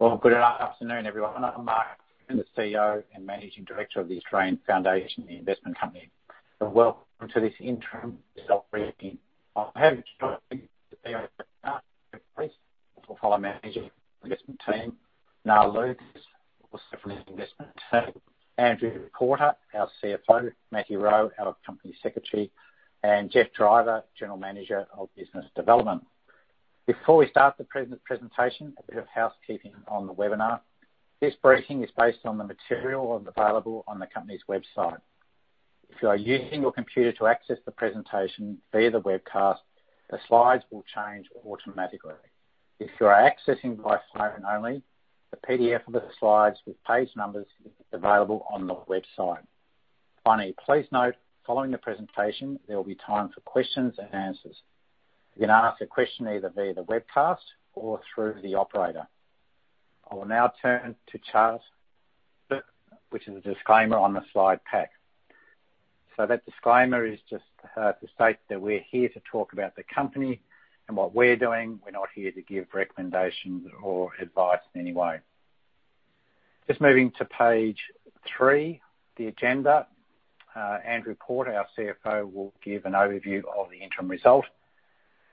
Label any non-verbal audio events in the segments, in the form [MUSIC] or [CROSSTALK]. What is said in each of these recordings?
Well, good afternoon, everyone. I'm Mark Freeman, the CEO and Managing Director of the Australian Foundation Investment Company. Welcome to this interim result briefing. I have here with me David Grace, Portfolio Manager of the investment team, Nga Lucas, who's also from the investment team, Andrew Porter, our CFO, Matthew Rowe, our Company Secretary, and Geoff Driver, General Manager of Business Development. Before we start the presentation, a bit of housekeeping on the webinar. This briefing is based on the material available on the company's website. If you are using your computer to access the presentation via the webcast, the slides will change automatically. If you are accessing by phone only, the PDF of the slides with page numbers is available on the website. Finally, please note, following the presentation, there will be time for questions and answers. You can ask a question either via the webcast or through the operator. I will now turn to charts, which is a disclaimer on the slide pack. That disclaimer is just to state that we're here to talk about the company and what we're doing. We're not here to give recommendations or advice in any way. Just moving to page three, the agenda. Andrew Porter, our CFO, will give an overview of the interim result.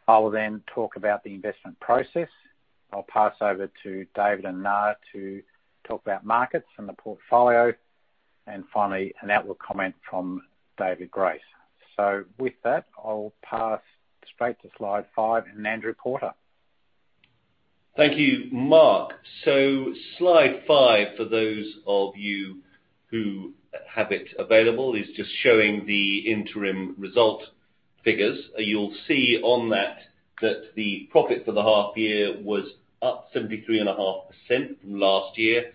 I will then talk about the investment process. I'll pass over to David and Nga to talk about markets and the portfolio, and finally, a word from David Grace. With that, I'll pass straight to slide five and Andrew Porter. Thank you, Mark. Slide five, for those of you who have it available, is just showing the interim result figures. You'll see on that the profit for the half year was up 73.5% from last year.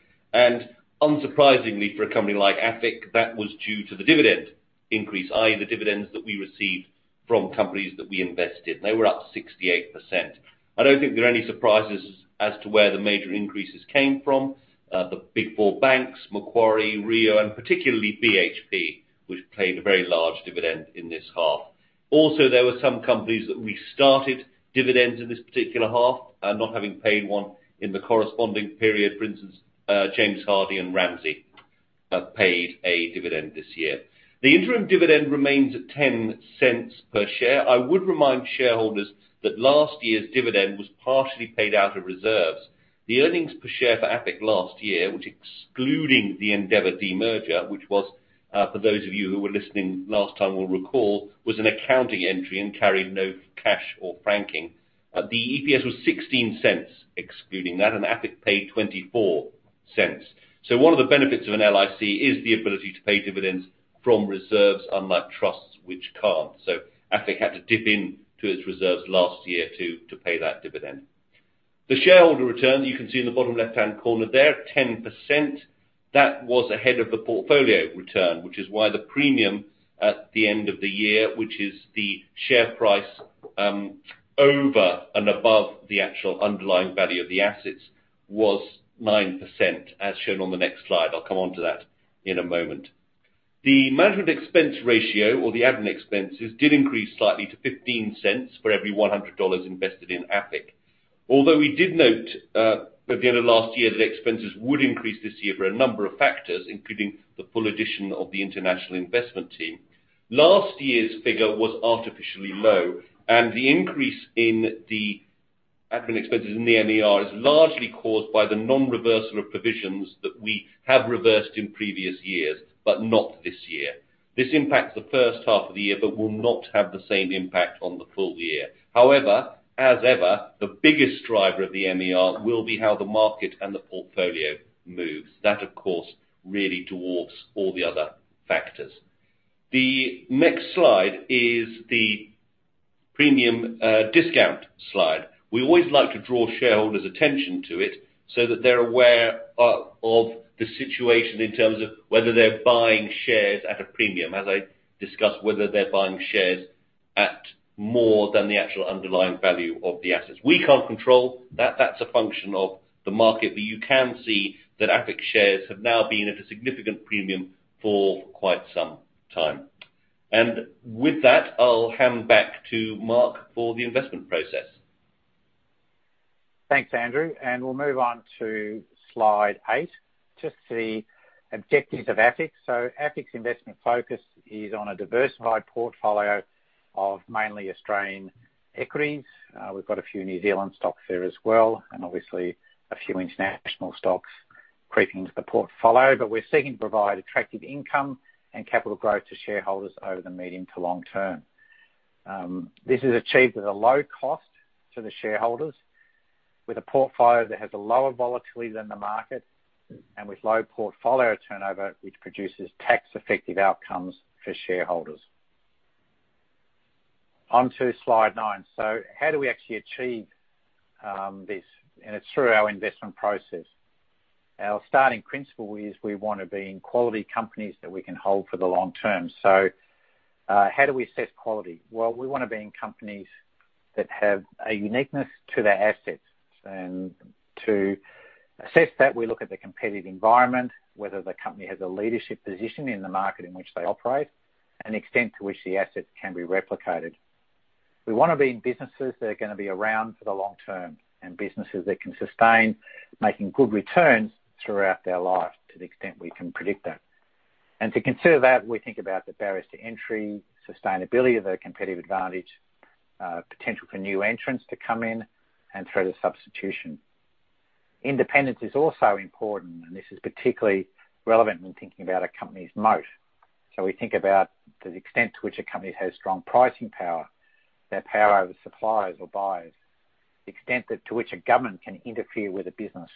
Unsurprisingly, for a company like AFIC, that was due to the dividend increase, i.e. the dividends that we received from companies that we invested. They were up 68%. I don't think there are any surprises as to where the major increases came from. The big four banks, Macquarie, Rio and particularly BHP, which paid a very large dividend in this half. There were some companies that restarted dividends in this particular half, not having paid one in the corresponding period. For instance, James Hardie and Ramsay paid a dividend this year. The interim dividend remains at 0.10 per share. I would remind shareholders that last year's dividend was partially paid out of reserves. The earnings per share for AFIC last year, which excluding the Endeavour demerger, which was for those of you who were listening to last time will recall, was an accounting entry and carried no cash or franking. The EPS was 0.16, excluding that, and AFIC paid 0.24. One of the benefits of an LIC is the ability to pay dividends from reserves, unlike trusts, which can't. AFIC had to dip into its reserves last year to pay that dividend. The shareholder return, you can see in the bottom left-hand corner there, 10%. That was ahead of the portfolio return, which is why the premium at the end of the year, which is the share price, over and above the actual underlying value of the assets, was 9%, as shown on the next slide. I'll come onto that in a moment. The management expense ratio or the admin expenses did increase slightly to 0.15 for every 100 dollars invested in AFIC. Although we did note at the end of last year, that expenses would increase this year for a number of factors, including the full addition of the international investment team. Last year's figure was artificially low, and the increase in the admin expenses in the MER is largely caused by the non-reversal of provisions that we have reversed in previous years, but not this year. This impacts the H1 of the year but will not have the same impact on the full year. However, as ever, the biggest driver of the MER will be how the market and the portfolio moves. That, of course, really dwarfs all the other factors. The next slide is the premium discount slide. We always like to draw shareholders' attention to it so that they're aware of the situation in terms of whether they're buying shares at a premium, as I discussed, whether they're buying shares at more than the actual underlying value of the assets. We can't control that. That's a function of the market. You can see that AFIC shares have now been at a significant premium for quite some time. With that, I'll hand back to Mark for the investment process. Thanks, Andrew. We'll move on to slide eight, just the objectives of AFIC. AFIC's investment focus is on a diversified portfolio of mainly Australian equities. We've got a few New Zealand stocks there as well, and obviously a few international stocks creeping into the portfolio. We're seeking to provide attractive income and capital growth to shareholders over the medium to long term. This is achieved at a low cost to the shareholders with a portfolio that has a lower volatility than the market and with low portfolio turnover, which produces tax-effective outcomes for shareholders. On to slide nine. How do we actually achieve this? It's through our investment process. Our starting principle is we want to be in quality companies that we can hold for the long term. How do we assess quality? Well, we wanna be in companies that have a uniqueness to their assets. To assess that, we look at the competitive environment, whether the company has a leadership position in the market in which they operate, and the extent to which the assets can be replicated. We wanna be in businesses that are gonna be around for the long term, and businesses that can sustain making good returns throughout their life, to the extent we can predict that. To consider that, we think about the barriers to entry, sustainability of their competitive advantage, potential for new entrants to come in, and threat of substitution. Independence is also important, and this is particularly relevant when thinking about a company's moat. We think about the extent to which a company has strong pricing power, their power over suppliers or buyers, the extent to which a government can interfere with the business,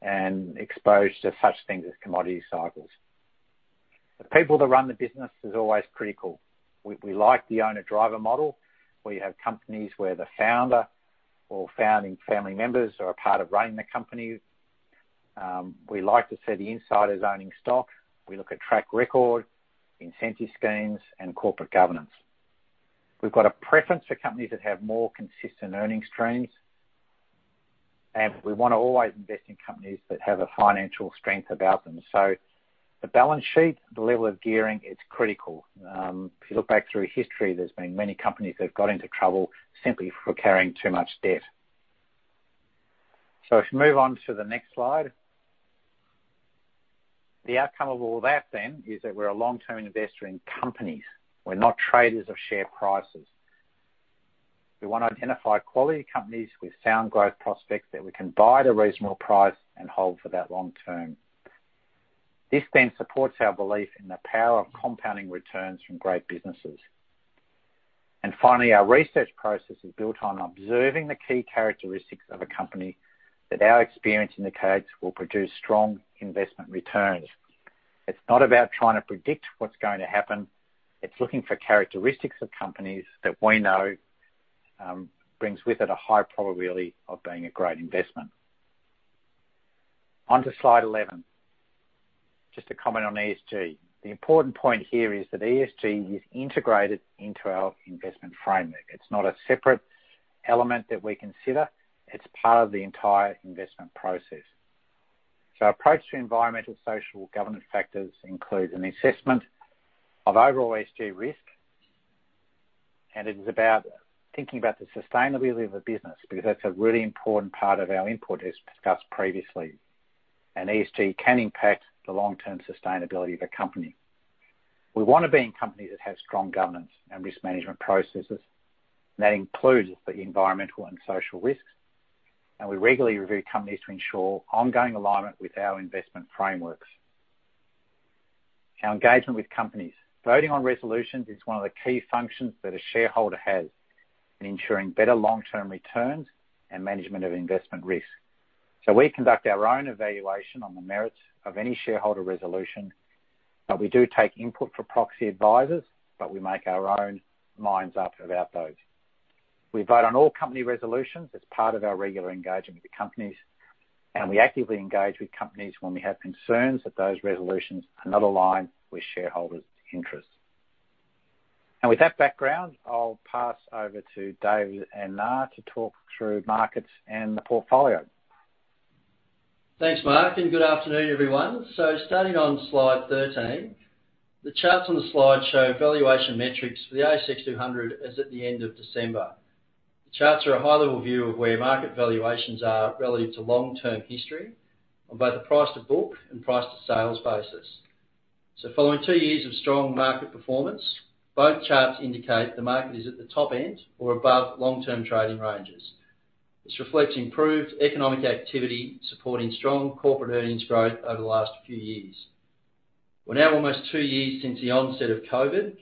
and exposure to such things as commodity cycles. The people that run the business is always critical. We like the owner-driver model, where you have companies where the founder or founding family members are a part of running the company. We like to see the insiders owning stock. We look at track record, incentive schemes, and corporate governance. We've got a preference for companies that have more consistent earning streams. We wanna always invest in companies that have a financial strength about them. The balance sheet, the level of gearing, it's critical. If you look back through history, there's been many companies that have got into trouble simply for carrying too much debt. If you move on to the next slide. The outcome of all that then is that we're a long-term investor in companies. We're not traders of share prices. We wanna identify quality companies with sound growth prospects that we can buy at a reasonable price and hold for that long term. This then supports our belief in the power of compounding returns from great businesses. Finally, our research process is built on observing the key characteristics of a company that our experience indicates will produce strong investment returns. It's not about trying to predict what's going to happen. It's looking for characteristics of companies that we know brings with it a high probability of being a great investment. On to slide eleven. Just to comment on ESG. The important point here is that ESG is integrated into our investment framework. It's not a separate element that we consider. It's part of the entire investment process. Our approach to environmental, social, governance factors include an assessment of overall ESG risk, and it is about thinking about the sustainability of the business because that's a really important part of our input, as discussed previously. ESG can impact the long-term sustainability of a company. We wanna be in companies that have strong governance and risk management processes. That includes the environmental and social risks, and we regularly review companies to ensure ongoing alignment with our investment frameworks. Our engagement with companies, voting on resolutions, is one of the key functions that a shareholder has in ensuring better long-term returns and management of investment risk. We conduct our own evaluation on the merits of any shareholder resolution, but we do take input from proxy advisors, but we make our own minds up about those. We vote on all company resolutions as part of our regular engagement with the companies, and we actively engage with companies when we have concerns that those resolutions are not aligned with shareholders' interests. With that background, I'll pass over to David and Nga to talk through markets and the portfolio. Thanks, Mark, and good afternoon, everyone. Starting on slide 13, the charts on the slide show valuation metrics for the ASX 200 as at the end of December. The charts are a high-level view of where market valuations are relative to long-term history on both the price to book and price to sales basis. Following two years of strong market performance, both charts indicate the market is at the top end or above long-term trading ranges. This reflects improved economic activity supporting strong corporate earnings growth over the last few years. We're now almost two years since the onset of COVID.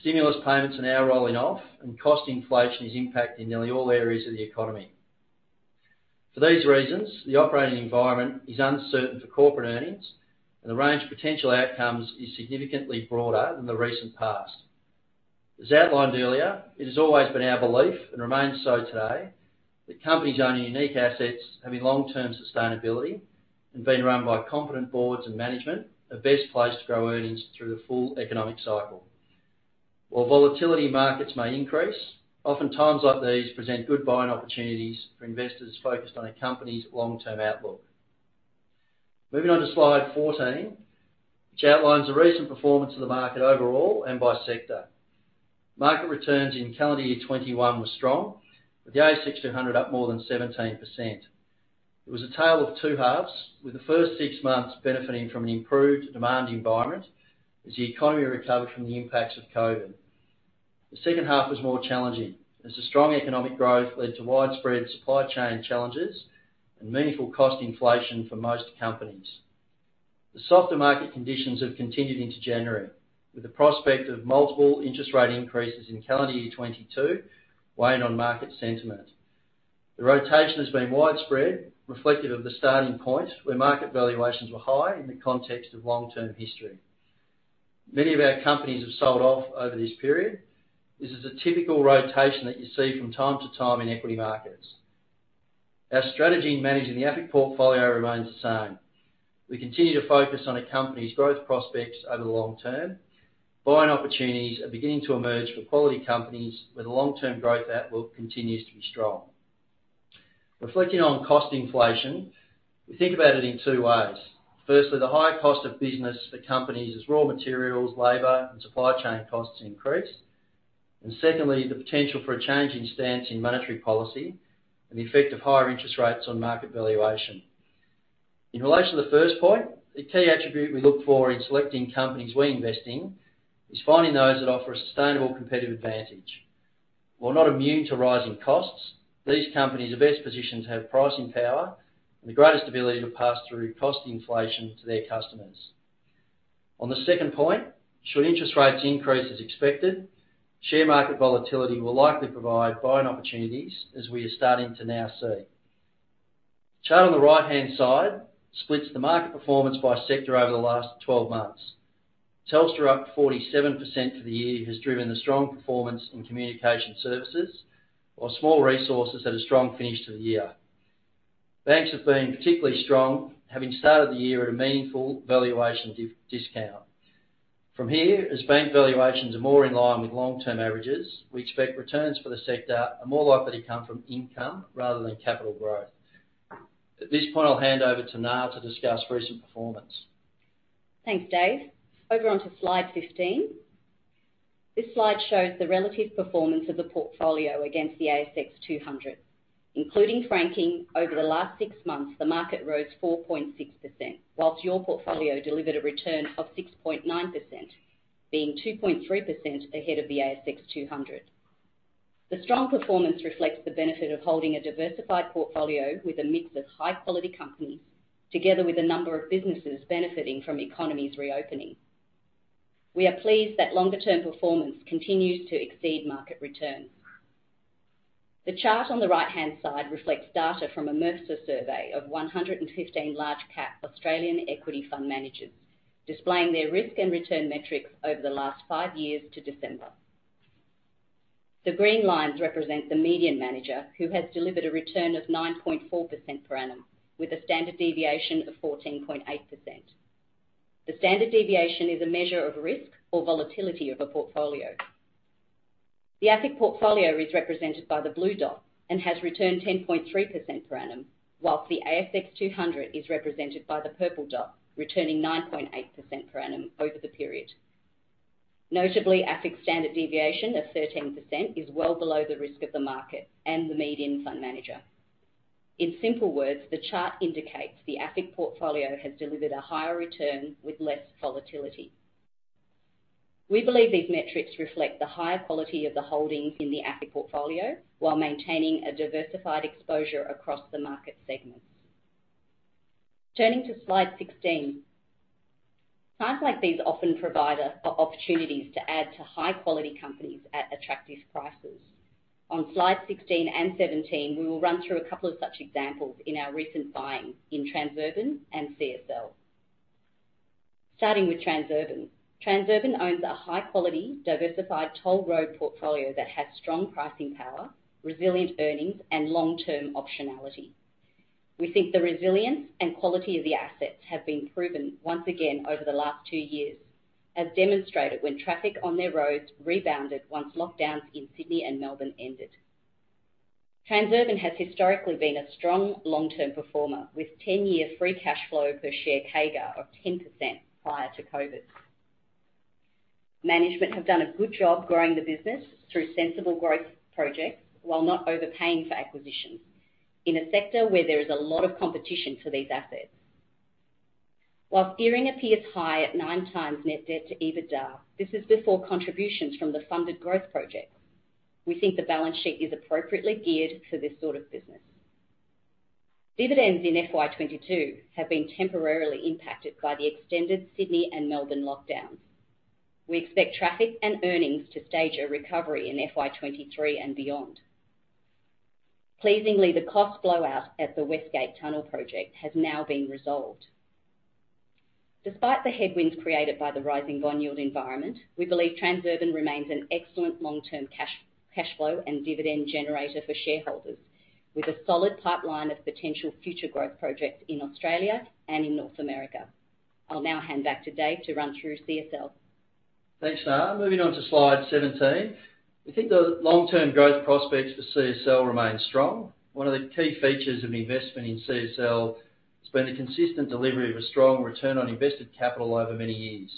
Stimulus payments are now rolling off, and cost inflation is impacting nearly all areas of the economy. For these reasons, the operating environment is uncertain for corporate earnings, and the range of potential outcomes is significantly broader than the recent past. As outlined earlier, it has always been our belief, and remains so today, that companies owning unique assets, having long-term sustainability, and being run by competent boards and management, are best placed to grow earnings through the full economic cycle. While market volatility may increase, oftentimes like these present good buying opportunities for investors focused on a company's long-term outlook. Moving on to slide 14, which outlines the recent performance of the market overall and by sector. Market returns in calendar year 2021 were strong, with the ASX 200 up more than 17%. It was a tale of two halves, with the first six months benefiting from an improved demand environment as the economy recovered from the impacts of COVID. The H2 was more challenging, as the strong economic growth led to widespread supply chain challenges and meaningful cost inflation for most companies. The softer market conditions have continued into January, with the prospect of multiple interest rates increases in calendar year 2022 weighing on market sentiment. The rotation has been widespread, reflective of the starting point where market valuations were high in the context of long-term history. Many of our companies have sold off over this period. This is a typical rotation that you see from time to time in equity markets. Our strategy in managing the AFIC portfolio remains the same. We continue to focus on a company's growth prospects over the long term. Buying opportunities are beginning to emerge for quality companies where the long-term growth outlook continues to be strong. Reflecting on cost inflation, we think about it in two ways. Firstly, the high cost of business for companies is raw materials, labor, and supply chain costs increase. Secondly, the potential for a change in stance in monetary policy and the effect of higher interest rates on market valuation. In relation to the first point, the key attribute we look for in selecting companies we invest in is finding those that offer a sustainable competitive advantage. While not immune to rising costs, these companies are best positioned to have pricing power and the greatest ability to pass through cost inflation to their customers. On the second point, should interest rates increase as expected, share market volatility will likely provide buying opportunities as we are starting to now see. The chart on the right-hand side splits the market performance by sector over the last twelve months. Telstra, up 47% for the year, has driven the strong performance in communication services, while small resources had a strong finish to the year. Banks have been particularly strong, having started the year at a meaningful valuation discount. From here, as bank valuations are more in line with long-term averages, we expect returns for the sector are more likely to come from income rather than capital growth. At this point, I'll hand over to Nga to discuss recent performance. Thanks, Dave. Over onto slide 15. This slide shows the relative performance of the portfolio against the ASX 200. Including franking, over the last six months, the market rose 4.6%, while your portfolio delivered a return of 6.9%, being 2.3% ahead of the ASX 200. The strong performance reflects the benefit of holding a diversified portfolio with a mix of high-quality companies, together with a number of businesses benefiting from the economy's reopening. We are pleased that longer term performance continues to exceed market returns. The chart on the right-hand side reflects data from a Mercer survey of 115 large cap Australian equity fund managers, displaying their risk and return metrics over the last five years to December. The green lines represent the median manager who has delivered a return of 9.4% per annum with a standard deviation of 14.8%. The standard deviation is a measure of risk or volatility of a portfolio. The AFIC portfolio is represented by the blue dot and has returned 10.3% per annum, while the ASX 200 is represented by the purple dot, returning 9.8% per annum over the period. Notably, AFIC's standard deviation of 13% is well below the risk of the market and the median fund manager. In simple words, the chart indicates the AFIC portfolio has delivered a higher return with less volatility. We believe these metrics reflect the high quality of the holdings in the AFIC portfolio while maintaining a diversified exposure across the market segments. Turning to slide 16. Times like these often provide us opportunities to add to high-quality companies at attractive prices. On slides 16 and 17, we will run through a couple of such examples in our recent buying in Transurban and CSL. Starting with Transurban. Transurban owns a high quality, diversified toll road portfolio that has strong pricing power, resilient earnings, and long-term optionality. We think the resilience and quality of the assets have been proven once again over the last two years, as demonstrated when traffic on their roads rebounded once lockdowns in Sydney and Melbourne ended. Transurban has historically been a strong long-term performer with 10-year free cash flow per share CAGR of 10% prior to COVID. Management have done a good job growing the business through sensible growth projects while not overpaying for acquisitions in a sector where there is a lot of competition for these assets. While gearing appears high at 9x net debt to EBITDA, this is before contributions from the funded growth projects. We think the balance sheet is appropriately geared for this sort of business. Dividends in FY 2022 have been temporarily impacted by the extended Sydney and Melbourne lockdowns. We expect traffic and earnings to stage a recovery in FY 2023 and beyond. Pleasingly, the cost blowout at the Westgate Tunnel project has now been resolved. Despite the headwinds created by the rising bond yield environment, we believe Transurban remains an excellent long-term cash flow and dividend generator for shareholders, with a solid pipeline of potential future growth projects in Australia and in North America. I'll now hand back to Dave to run through CSL. Thanks, Nga. Moving on to slide 17. We think the long-term growth prospects for CSL remain strong. One of the key features of investment in CSL has been the consistent delivery of a strong return on invested capital over many years.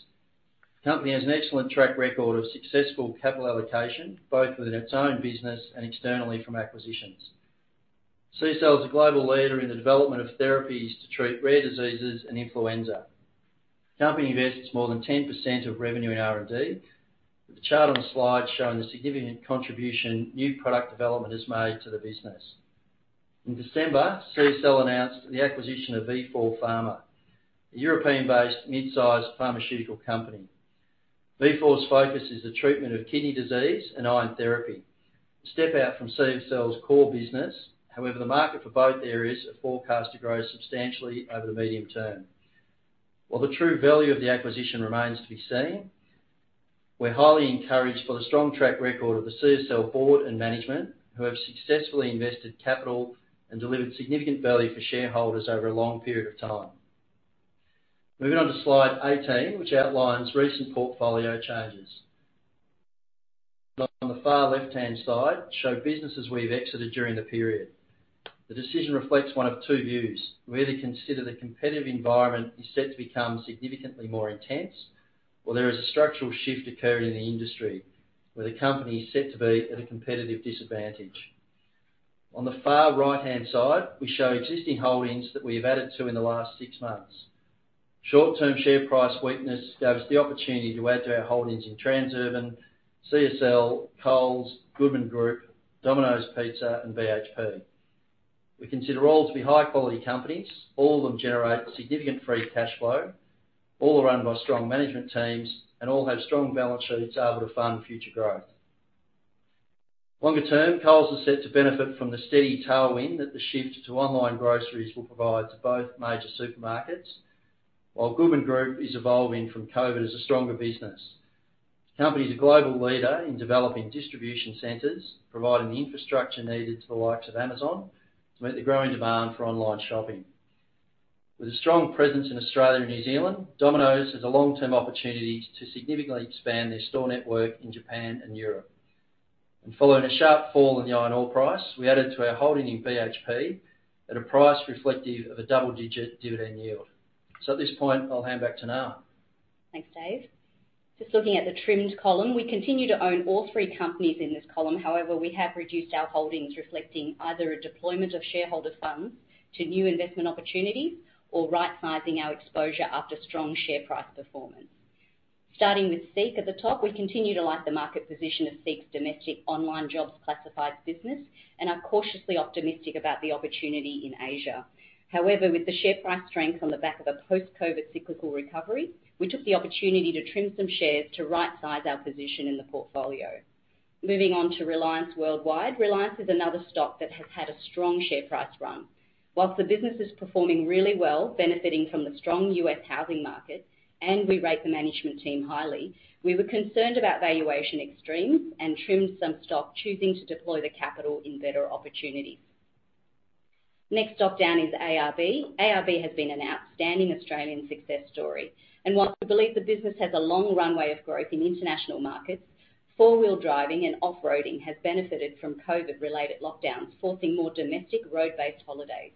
The company has an excellent track record of successful capital allocation, both within its own business and externally from acquisitions. CSL is a global leader in the development of therapies to treat rare diseases and influenza. The company invests more than 10% of revenue in R&D, with the chart on the slide showing the significant contribution new product development has made to the business. In December, CSL announced the acquisition of Vifor Pharma, a European-based mid-sized pharmaceutical company. Vifor's focus is the treatment of kidney disease and iron therapy, a step out from CSL's core business. However, the market for both areas are forecast to grow substantially over the medium term. While the true value of the acquisition remains to be seen, we're highly encouraged by the strong track record of the CSL board and management, who have successfully invested capital and delivered significant value for shareholders over a long period of time. Moving on to slide 18, which outlines recent portfolio changes. On the far left-hand side show businesses we've exited during the period. The decision reflects one of two views. We either consider the competitive environment is set to become significantly more intense, or there is a structural shift occurring in the industry, where the company is set to be at a competitive disadvantage. On the far right-hand side, we show existing holdings that we have added to in the last 6 months. Short-term share price weakness gave us the opportunity to add to our holdings in Transurban, CSL, Coles, Goodman Group, Domino's Pizza, and BHP. We consider all to be high-quality companies. All of them generate significant free cash flow, all are run by strong management teams, and all have strong balance sheets able to fund future growth. Longer term, Coles is set to benefit from the steady tailwind that the shift to online groceries will provide to both major supermarkets, while Goodman Group is evolving from COVID as a stronger business. The company is a global leader in developing distribution centers, providing the infrastructure needed to the likes of Amazon to meet the growing demand for online shopping. With a strong presence in Australia and New Zealand, Domino's has a long-term opportunity to significantly expand their store network in Japan and Europe. Following a sharp fall in the iron ore price, we added to our holding in BHP at a price reflective of a double-digit dividend yield. At this point, I'll hand back to Nga. Thanks, Dave. Just looking at the trimmed column, we continue to own all three companies in this column. However, we have reduced our holdings reflecting either a deployment of shareholder funds to new investment opportunities or rightsizing our exposure after strong share price performance. Starting with SEEK at the top, we continue to like the market position of SEEK's domestic online jobs classified business and are cautiously optimistic about the opportunity in Asia. However, with the share price strength on the back of a post-COVID cyclical recovery, we took the opportunity to trim some shares to rightsize our position in the portfolio. Moving on to Reliance Worldwide. Reliance is another stock that has had a strong share price run. While the business is performing really well, benefiting from the strong US housing market, and we rate the management team highly, we were concerned about valuation extremes and trimmed some stock, choosing to deploy the capital in better opportunities. Next stock down is ARB. ARB has been an outstanding Australian success story. While we believe the business has a long runway of growth in international markets, four-wheel driving and off-roading has benefited from COVID-related lockdowns, forcing more domestic road-based holidays.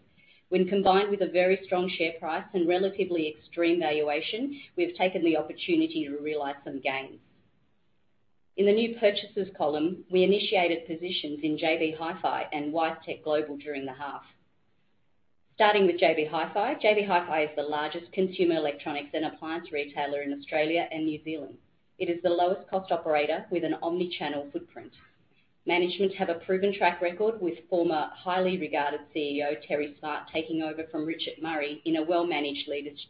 When combined with a very strong share price and relatively extreme valuation, we've taken the opportunity to realize some gains. In the new purchase's column, we initiated positions in JB Hi-Fi and WiseTech Global during the half. Starting with JB Hi-Fi, JB Hi-Fi is the largest consumer electronics and appliance retailer in Australia and New Zealand. It is the lowest cost operator with an omni-channel footprint. Management have a proven track record with former highly regarded CEO Terry Smart taking over from Richard Murray in a well-managed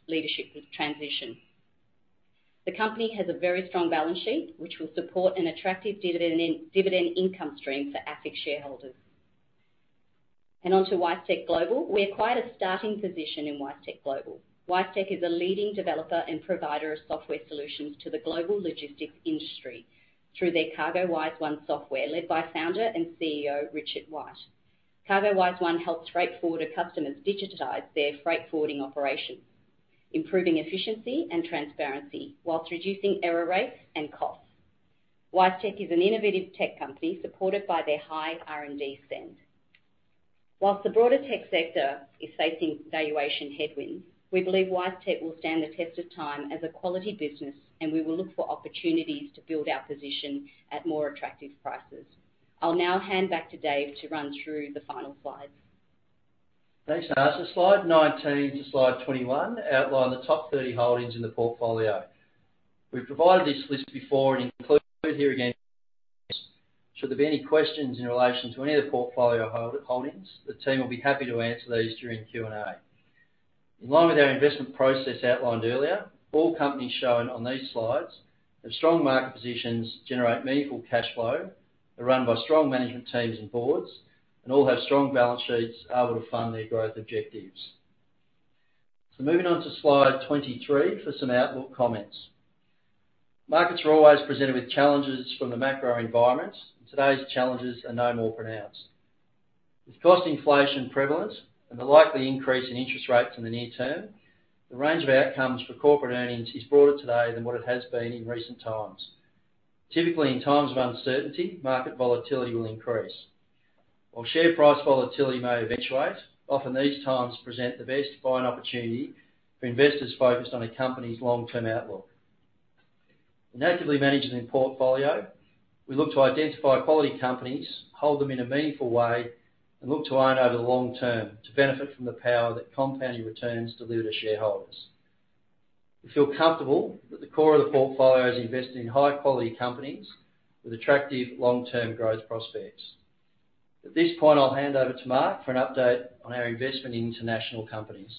leadership transition. The company has a very strong balance sheet, which will support an attractive dividend income stream for AFIC shareholders. On to WiseTech Global. We acquired a starting position in WiseTech Global. WiseTech is a leading developer and provider of software solutions to the global logistics industry through their CargoWise One software, led by founder and CEO, Richard White. CargoWise One helps freight forwarder customers digitize their freight forwarding operations, improving efficiency and transparency while reducing error rates and costs. WiseTech is an innovative tech company supported by their high R&D spend. While the broader tech sector is facing valuation headwinds, we believe WiseTech will stand the test of time as a quality business, and we will look for opportunities to build our position at more attractive prices. I'll now hand back to Dave to run through the final slides. Thanks, Nga. Slide 19 to slide 21 outline the top 30 holdings in the portfolio. We've provided this list before and include it here again. Should there be any questions in relation to any of the portfolio holdings, the team will be happy to answer these during Q&A. In line with our investment process outlined earlier, all companies shown on these slides have strong market positions, generate meaningful cash flow, are run by strong management teams and boards, and all have strong balance sheets able to fund their growth objectives. Moving on to slide 23 for some outlook comments. Markets are always presented with challenges from the macro environments, and today's challenges are no more pronounced. With cost inflation prevalence and the likely increase in interest rates in the near term, the range of outcomes for corporate earnings is broader today than what it has been in recent times. Typically, in times of uncertainty, market volatility will increase. While share price volatility may eventuate, often these times present the best buying opportunity for investors focused on a company's long-term outlook. In actively managing the portfolio, we look to identify quality companies, hold them in a meaningful way, and look to own over the long term to benefit from the power that compounding returns deliver to shareholders. We feel comfortable that the core of the portfolio is invested in high-quality companies with attractive long-term growth prospects. At this point, I'll hand over to Mark for an update on our investment in international companies.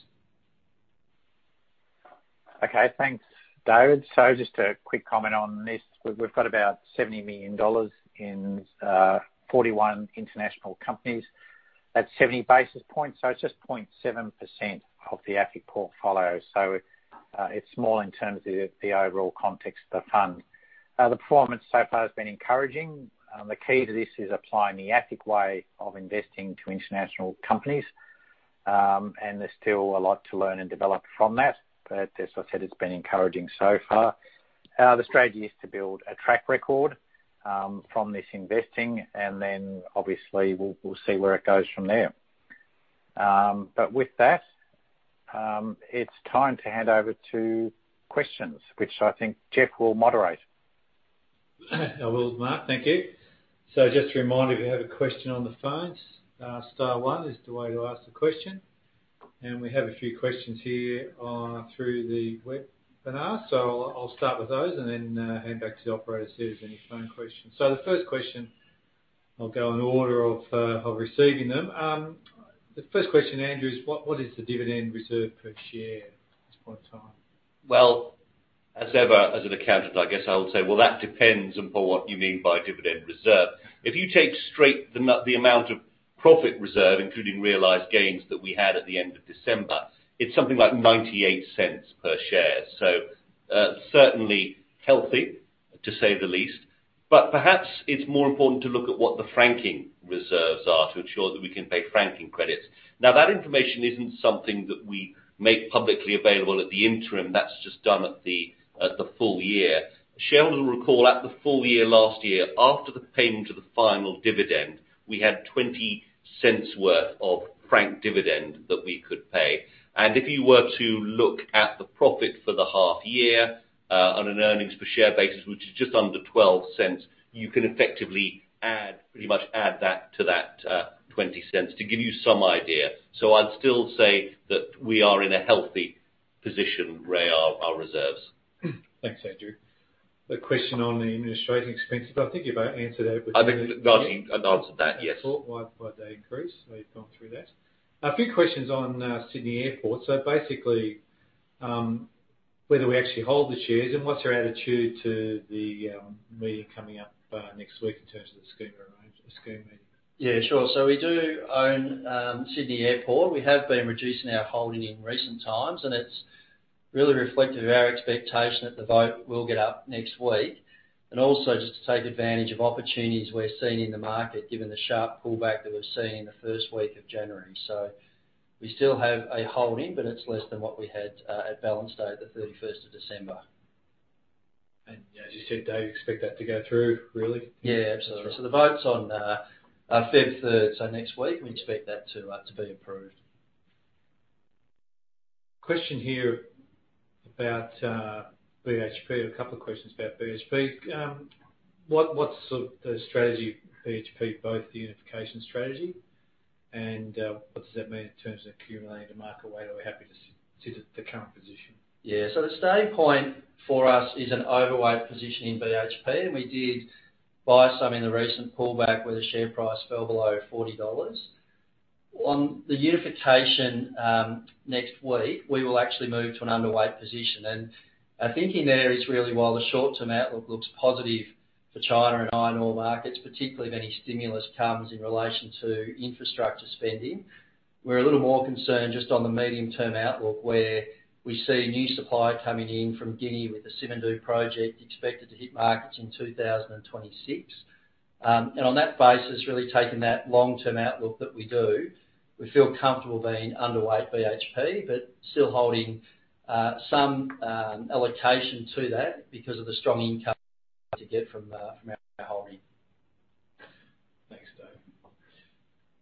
Okay, thanks, David. Just a quick comment on this. We've got about 70 million dollars in 41 international companies. That's 70 basis points, so it's just 0.7% of the AFIC portfolio. It's small in terms of the overall context of the fund. The performance so far has been encouraging. The key to this is applying the AFIC way of investing to international companies. There's still a lot to learn and develop from that. As I said, it's been encouraging so far. The strategy is to build a track record from this investing, and then obviously we'll see where it goes from there. With that, it's time to hand over to questions, which I think Geoff will moderate. I will, Mark. Thank you. Just a reminder, if you have a question on the phones, star one is the way to ask the question. We have a few questions here online through the webinar. I'll start with those and then hand back to the operator to see if there's any phone questions. The first question, I'll go in order of receiving them. The first question, Andrew, is what is the dividend reserve per share at this point in time? Well, as ever, as an accountant, I guess I'll say, well, that depends upon what you mean by dividend reserve. If you take straight the amount of profit reserve, including realized gains that we had at the end of December, it's something like 0.98 per share. Certainly healthy, to say the least. Perhaps it's more important to look at what the franking reserves are to ensure that we can pay franking credits. Now, that information isn't something that we make publicly available at the interim. That's just done at the full year. Shareholders will recall at the full year last year, after the payment of the final dividend, we had 0.20 worth of franked dividend that we could pay. If you were to look at the profit for the half year, on an earnings per share basis, which is just under 0.12, you can effectively add, pretty much add that to that, 0.20 to give you some idea. I'd still say that we are in a healthy position re our reserves. Thanks, Andrew. A question on the administrative expenses, but I think you've answered that. I think I've answered that, yes. As I thought. Why they increased? You've gone through that. A few questions on Sydney Airport. Basically, whether we actually hold the shares and what's your attitude to the meeting coming up next week in terms of the scheme arrangement, the scheme meeting? Yeah, sure. We do own Sydney Airport. We have been reducing our holding in recent times, and it's really reflective of our expectation that the vote will get up next week. Also just to take advantage of opportunities we're seeing in the market, given the sharp pullback that we've seen in the first week of January. We still have a holding, but it's less than what we had at balance date, the thirty-first of December. As you said, Dave, you expect that to go through really? Yeah, absolutely. The vote's on February third, so next week, we expect that to be approved. Question here about BHP. A couple of questions about BHP. What's sort of the strategy for BHP, both the unification strategy and what does that mean in terms of accumulating the market weight? Are we happy to stick with the current position? Yeah. The starting point for us is an overweight position in BHP, and we did buy some in the recent pullback where the share price fell below 40 dollars. On the unification next week, we will actually move to an underweight position. Our thinking there is really while the short-term outlook looks positive for China and iron ore markets, particularly if any stimulus comes in relation to infrastructure spending, we're a little more concerned just on the medium-term outlook, where we see new supply coming in from Guinea with the Simandou project expected to hit markets in 2026. On that basis, really taking that long-term outlook that we do, we feel comfortable being underweight BHP, but still holding some allocation to that because of the strong income to get from our holding. Thanks, Dave.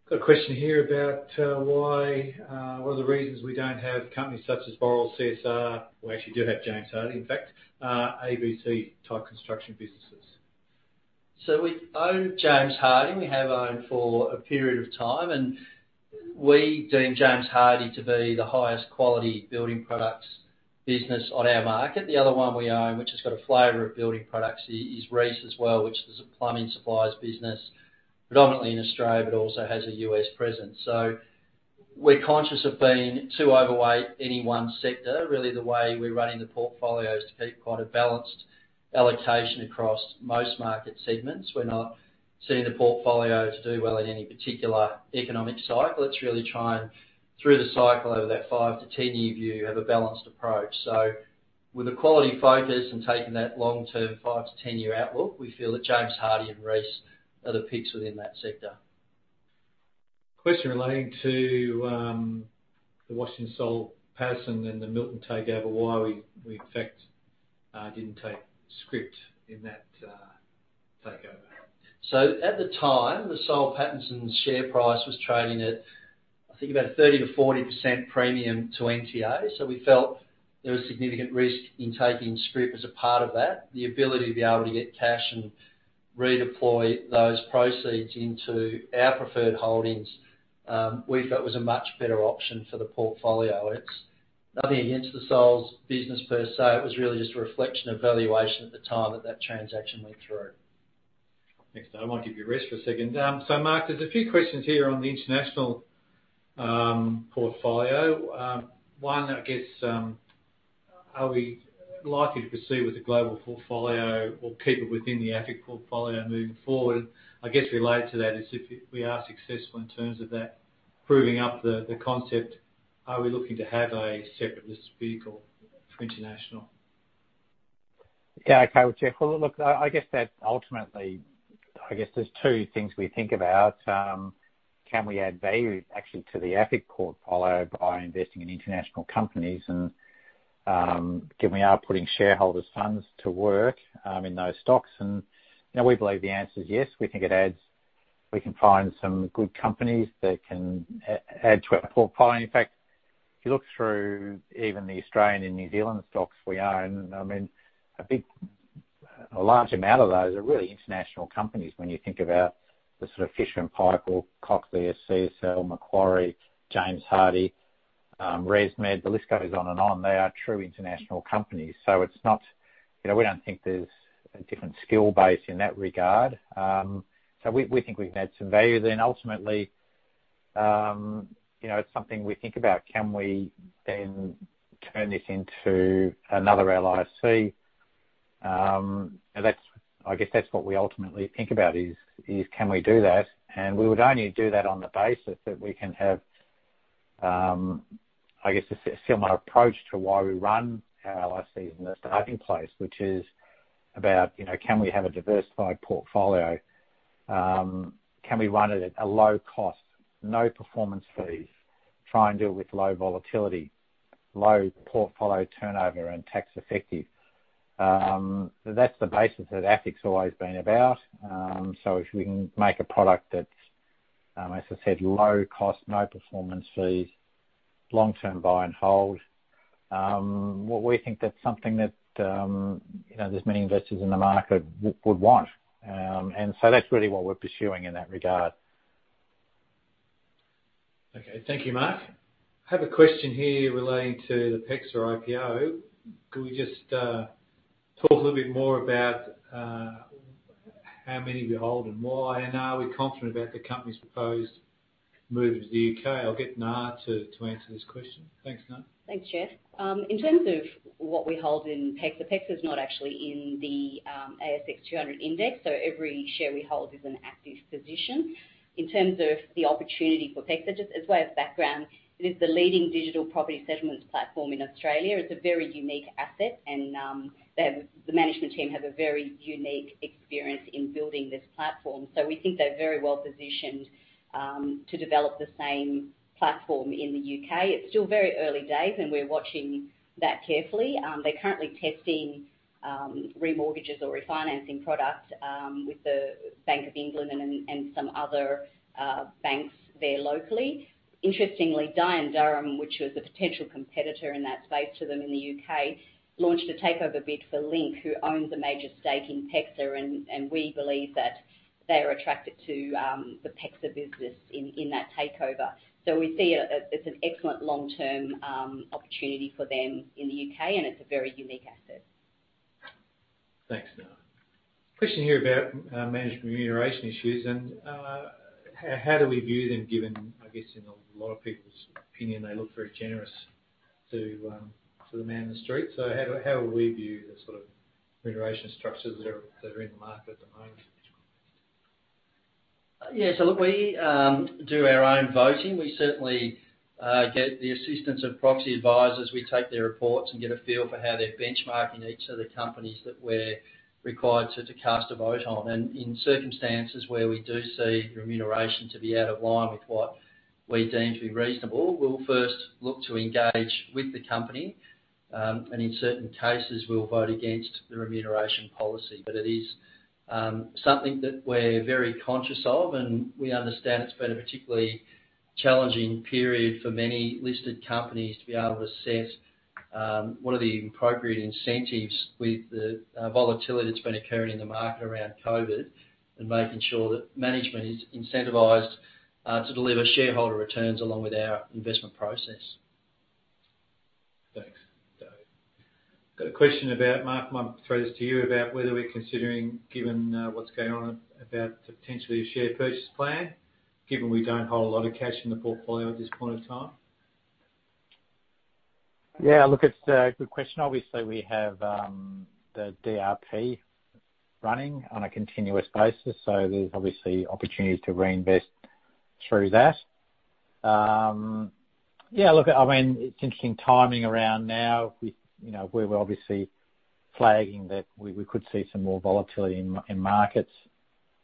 Got a question here about what are the reasons we don't have companies such as Boral, CSR. We actually do have James Hardie, in fact, ABC type construction businesses. We own James Hardie. We have owned for a period of time, and we deem James Hardie to be the highest quality building products business on our market. The other one we own, which has got a flavor of building products is Reece as well, which is a plumbing supplies business, predominantly in Australia, but also has a U.S. presence. We're conscious of being too overweight any one sector. Really the way we're running the portfolio is to keep quite a balanced allocation across most market segments. We're not setting the portfolio to do well in any particular economic cycle. It's really tried and through the cycle over that 5-10-year view, have a balanced approach. With a quality focus and taking that long-term 5-10-year outlook, we feel that James Hardie and Reece are the picks within that sector. Question relating to the Washington H. Soul Pattinson and the Milton takeover, why we in fact didn't take scrip in that takeover. At the time, the Washington H. Soul Pattinson share price was trading at, I think about a 30%-40% premium to NTA. We felt there was significant risk in taking scrip as a part of that. The ability to be able to get cash and redeploy those proceeds into our preferred holdings, we felt was a much better option for the portfolio. It's nothing against the Washington H. Soul Pattinson's business per se. It was really just a reflection of valuation at the time that transaction went through. Thanks, David. I might give you a rest for a second. Mark, there's a few questions here on the international portfolio. One I guess, are we likely to proceed with the global portfolio or keep it within the AFIC portfolio moving forward? I guess related to that is if we are successful in terms of that proving up the concept, are we looking to have a separate listed vehicle for international? Yeah, okay. Well, Geoff, look, I guess that ultimately, I guess there's two things we think about. Can we add value actually to the AFIC portfolio by investing in international companies? Given we are putting shareholders' funds to work in those stocks, you know, we believe the answer is yes. We think it adds. We can find some good companies that can add to our portfolio. In fact, if you look through even the Australian and New Zealand stocks we own, I mean, a big, a large amount of those are really international companies when you think about the sort of Fisher & Paykel, Cochlear, CSL, Macquarie, James Hardie, ResMed, the list goes on and on. They are true international companies. It's not, you know, we don't think there's a different skill base in that regard. We think we can add some value then ultimately, you know, it's something we think about, can we then turn this into another LIC? I guess that's what we ultimately think about is can we do that? We would only do that on the basis that we can have, I guess a similar approach to why we run our LIC in the first place, which is about, you know, can we have a diversified portfolio? Can we run it at a low cost, no performance fees, try and do it with low volatility, low portfolio turnover and tax effective. That's the basis that AFIC's always been about. If we can make a product that's, as I said, low cost, no performance fees, long-term buy and hold, what we think that's something that, you know, there's many investors in the market would want. That's really what we're pursuing in that regard. Okay. Thank you, Mark. I have a question here relating to the PEXA IPO. Could we just talk a little bit more about how many we hold and why, and are we confident about the company's proposed move to the U.K.? I'll get Nga to answer this question. Thanks, Nga. Thanks, Geoff. In terms of what we hold in PEXA is not actually in the ASX 200 index, so every share we hold is an active position. In terms of the opportunity for PEXA, just as way of background, it is the leading digital property settlements platform in Australia. It's a very unique asset and the management team have a very unique experience in building this platform. We think they're very well positioned to develop the same platform in the U.K. It's still very early days, and we're watching that carefully. They're currently testing remortgages or refinancing products with the Bank of England and some other banks there locally. Interestingly, Dye & Durham, which was a potential competitor in that space to them in the U.K., launched a takeover bid for Link, who owns a major stake in PEXA, and we believe that they are attracted to the PEXA business in that takeover. We see it's an excellent long-term opportunity for them in the U.K., and it's a very unique asset. Thanks, Nga. Question here about management remuneration issues and how do we view them given, I guess, in a lot of people's opinion, they look very generous to the man in the street. How do we view the sort of remuneration structures that are in the market at the moment? Yeah. Look, we do our own voting. We certainly get the assistance of proxy advisors. We take their reports and get a feel for how they're benchmarking each of the companies that we're required to cast a vote on. In circumstances where we do see remuneration to be out of line with what we deem to be reasonable, we'll first look to engage with the company, and in certain cases, we'll vote against the remuneration policy. It is something that we're very conscious of, and we understand it's been a particularly challenging period for many listed companies to be able to assess what are the appropriate incentives with the volatility that's been occurring in the market around COVID and making sure that management is incentivized to deliver shareholder returns along with our investment process. Thanks, Dave. Got a question about, Mark, might throw this to you, about whether we're considering, given, what's going on about potentially a share purchase plan, given we don't hold a lot of cash in the portfolio at this point in time. Yeah. Look, it's a good question. Obviously, we have the DRP running on a continuous basis, so there's obviously opportunities to reinvest through that. Yeah, look, I mean, it's interesting timing around now. We, you know, we're obviously flagging that we could see some more volatility in markets.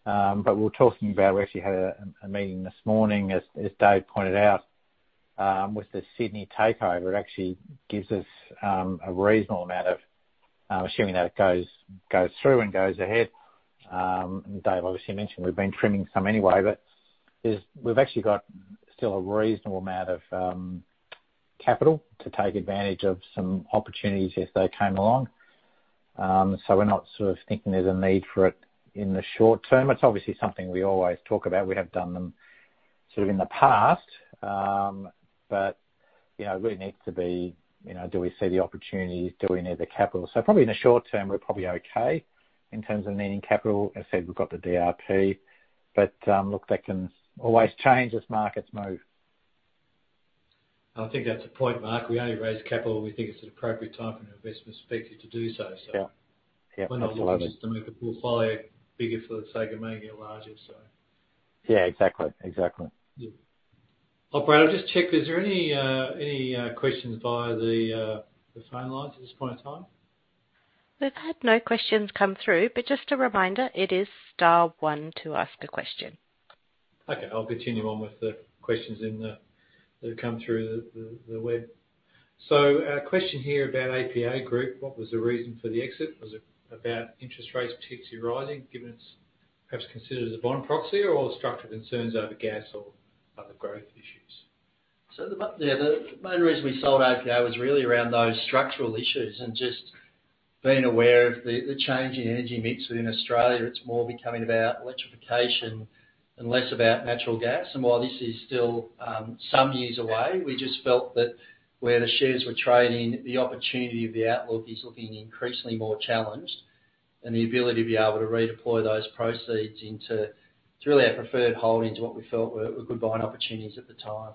But we're talking about, we actually had a meeting this morning, as Dave pointed out, with the Sydney Airport takeover, it actually gives us a reasonable amount of, assuming that it goes through and goes ahead, Dave obviously mentioned we've been trimming some anyway. But we've actually got still a reasonable amount of capital to take advantage of some opportunities if they came along. So, we're not sort of thinking there's a need for it in the short term. It's obviously something we always talk about. We have done them sort of in the past, but you know, it really needs to be, you know, do we see the opportunities? Do we need the capital? Probably in the short term, we're probably okay in terms of needing capital. As I said, we've got the DRP, but look, that can always change as markets move. I think that's a point, Mark. We only raise capital when we think it's an appropriate time from an investment perspective to do so. Yeah. Yeah, absolutely. We're not looking just to make a portfolio bigger for the sake of making it larger, so. Yeah, exactly. Exactly. Yeah, Operator, just check, is there any questions via the phone lines at this point in time? We've had no questions come through, but just a reminder, it is star one to ask a question. I'll continue on with the questions that have come through the web. A question here about APA Group. What was the reason for the exit? Was it about interest rates particularly rising, given its perhaps considered as a bond proxy, or structural concerns over gas or other growth issues? The main reason we sold APA was really around those structural issues and just being aware of the change in energy mix within Australia. It's more becoming about electrification and less about natural gas. While this is still some years away, we just felt that where the shares were trading, the opportunity of the outlook is looking increasingly more challenged, and the ability to be able to redeploy those proceeds into really our preferred holdings, what we felt were good buying opportunities at the time.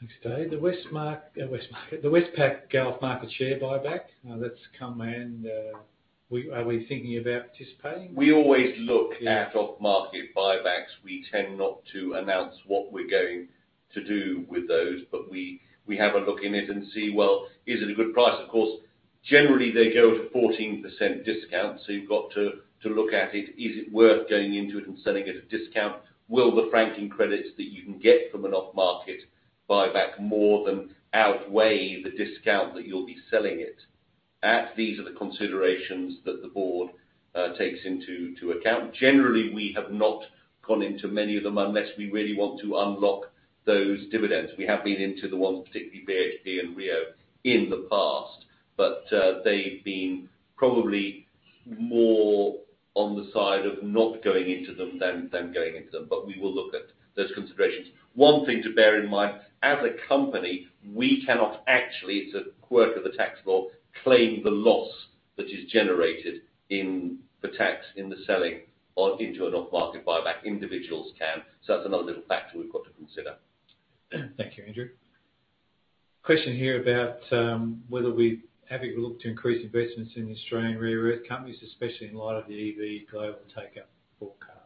Thanks, Dave. The Westpac off-market share buyback that's come and are we thinking about participating? We always look at off-market buybacks. We tend not to announce what we're going to do with those, but we have a look at it and see, well, is it a good price? Of course, generally, they go at a 14% discount, so you've got to look at it. Is it worth going into it and selling at a discount? Will the franking credits that you can get from an off-market buyback more than outweigh the discount that you'll be selling it at? These are the considerations that the board takes into account. Generally, we have not gone into many of them unless we really want to unlock those dividends. We have been into the ones, particularly BHP and Rio in the past, but they've been probably more on the side of not going into them than going into them. We will look at those considerations. One thing to bear in mind, as a company, we cannot actually, it's a quirk of the tax law, claim the loss that is generated in the tax, in the selling or into an off-market buyback. Individuals can. That's another little factor we've got to consider. Thank you, Andrew. Question here about whether have you looked to increase investments in Australian rare earth companies, especially in light of the EV global take-up forecast?